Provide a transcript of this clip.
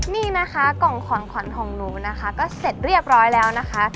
นี่นะคะกล่องของขวัญของหนูนะคะก็เสร็จเรียบร้อยแล้วนะคะ